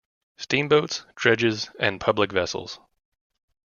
Steamboats, Dredges and Public Vessels.